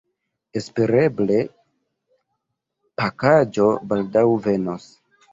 Espereble pakaĵo baldaŭ venos.